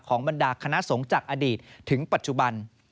บรรดาคณะสงฆ์จากอดีตถึงปัจจุบัน